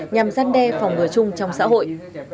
nhằm giăn đe phòng ngừa chung trong xã hội